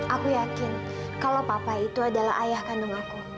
aku yakin kalau papa itu adalah ayah kandung aku